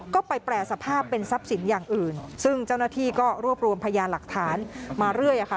ก็ไปแปรสภาพเป็นทรัพย์สินอย่างอื่นซึ่งเจ้าหน้าที่ก็รวบรวมพยานหลักฐานมาเรื่อยค่ะ